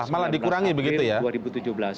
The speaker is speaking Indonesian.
malah dikurangi begitu ya